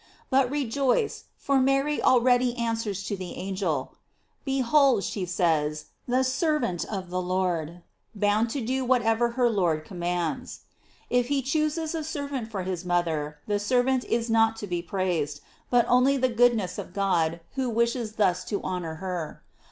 But rejoice, for Mary already answers to the angel : Behold, she says, the servant of the Lord, bound to do whatever her Lord com' mands :J if he chooses a servant for his mother, the servant is not to be praised, but only the goodness of God, who wishes thus to honor her.